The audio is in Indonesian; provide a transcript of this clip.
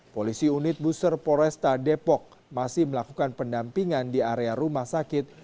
polisi unit busur poresta depok masih melakukan pendampingan di area rumah sakit